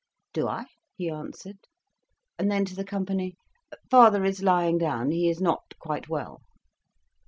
"Do I?" he answered. And then, to the company, "Father is lying down, he is not quite well."